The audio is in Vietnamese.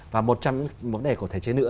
và một trong những vấn đề của thể chế nữa